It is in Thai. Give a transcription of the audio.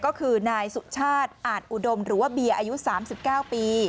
ก็คือนายสุชาติอาจอุดมหรือว่าเบียร์อายุ๓๙ปี